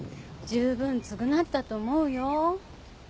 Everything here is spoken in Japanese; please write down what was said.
十分償ったと思うよ。